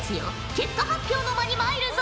結果発表の間にまいるぞ。